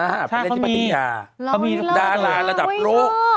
เหรอเหรออาเขามีเธอดาราระดับโลก